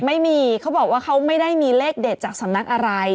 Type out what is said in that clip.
ไม่มีเขาบอกว่าเขาไม่ได้มีเลขเด็ดจากสำนักอะไร